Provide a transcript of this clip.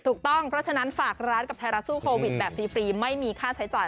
ถูกต้องเพราะฉะนั้นฝากร้านกับไทยรัฐสู้โควิดแบบฟรีไม่มีค่าใช้จ่าย